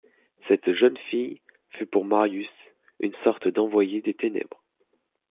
Cette jeune fille fut pour Marius une sorte d’envoyée des ténèbres.